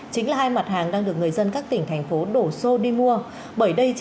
chính là hai mặt hàng đang được người dân các tỉnh thành phố đổ xô đi mua